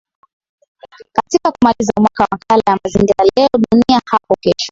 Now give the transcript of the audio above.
katika kumaliza mwaka makala ya mazingira leo dunia hapo kesho